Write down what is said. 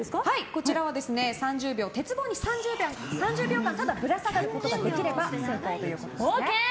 こちらは３０秒、鉄棒にただぶら下がることができれば成功ということですね。